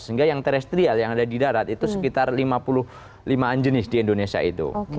sehingga yang terestrial yang ada di darat itu sekitar lima puluh lima an jenis di indonesia itu